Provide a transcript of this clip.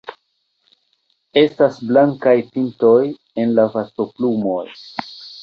Estas blankaj pintoj en la vostoplumoj.